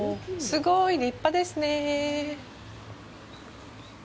すごい立派ですね！